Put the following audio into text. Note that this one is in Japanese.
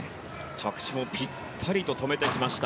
着地もぴったりと止めてきました。